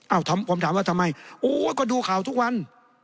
ผมถามว่าทำไมโอ้ก็ดูข่าวทุกวัน